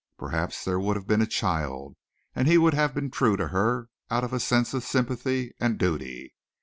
Perhaps there would have been a child, and he would have been true to her out of a sense of sympathy and duty.